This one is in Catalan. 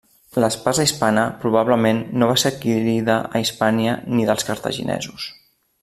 L'espasa hispana, probablement no va ser adquirida a Hispània, ni dels cartaginesos.